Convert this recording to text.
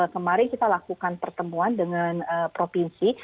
kemarin kita lakukan pertemuan dengan provinsi